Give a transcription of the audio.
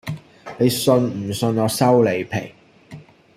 你信唔信我收你皮